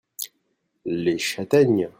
Les châtaignes.